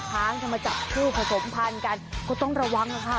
ช้างจะมาจับคู่ผสมพันธุ์กันก็ต้องระวังนะคะ